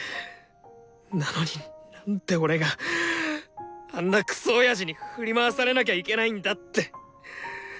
なのになんで俺があんなクソ親父に振り回されなきゃいけないんだって！